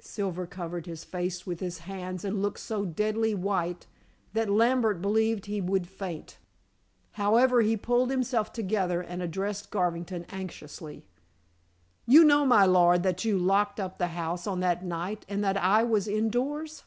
Silver covered his face with his hands and looked so deadly white that Lambert believed he would faint. However, he pulled himself together, and addressed Garvington anxiously. "You know, my lord, that you locked up the house on that night, and that I was indoors."